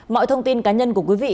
mọi thông tin cá nhân của quý vị